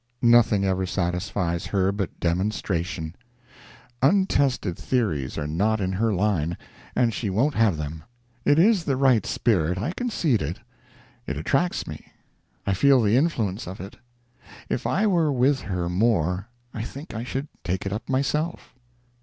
Nothing ever satisfies her but demonstration; untested theories are not in her line, and she won't have them. It is the right spirit, I concede it; it attracts me; I feel the influence of it; if I were with her more I think I should take it up myself.